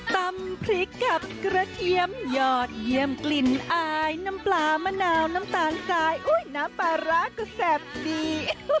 ตำพริกกับกระเทียมยอดเยี่ยมกลิ่นอายน้ำปลามะนาวน้ำตาลทรายน้ำปลาร้าก็แซ่บดี